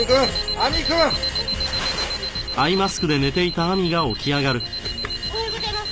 亜美くん！おはようございます！